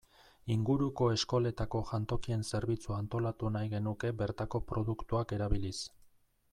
Inguruko eskoletako jantokien zerbitzua antolatu nahi genuke bertako produktuak erabiliz.